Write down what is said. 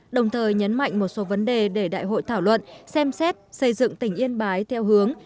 đồng thời nhấn mạnh một số vấn đề để đại hội thảo luận xem xét xây dựng tỉnh yên bái theo hướng